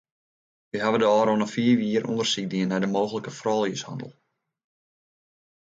Wy hawwe de ôfrûne fiif jier ûndersyk dien nei mooglike frouljushannel.